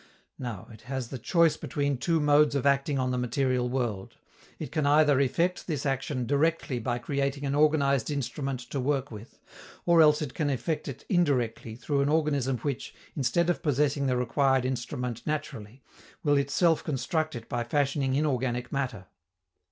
Now, it has the choice between two modes of acting on the material world: it can either effect this action directly by creating an organized instrument to work with; or else it can effect it indirectly through an organism which, instead of possessing the required instrument naturally, will itself construct it by fashioning inorganic matter.